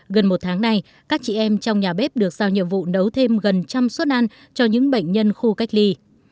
gần một tháng nay các chị em trong nhà bếp được sao nhiệm vụ nấu thêm gần trăm suất ăn cho những bệnh nhân khu cách ly